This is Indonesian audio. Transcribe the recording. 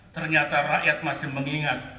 ternyata rakyat masih mengingat